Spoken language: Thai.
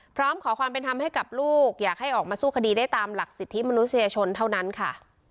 พร้อมขอความเป็นธรรมให้กับลูกอยากให้ออกมาสู้คดีได้ตามหลักสิทธิมนุษยชนเท่านั้นค่ะ